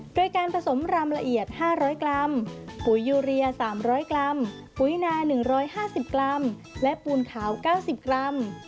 โดยการผสมรำละเอียด๕๐๐กรัมปุ๋ยยูเรีย๓๐๐กรัมปุ๋ยนา๑๕๐กรัมและปูนขาว๙๐กรัม